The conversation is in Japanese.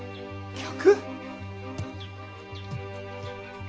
客？